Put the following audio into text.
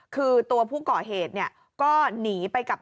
คือตัวผู้ก่อเหตุเนี่ยก็หนีไปกับ